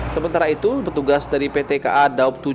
sementara itu petugas dari pt ka daop tujuh